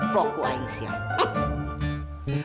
pokoknya yang siap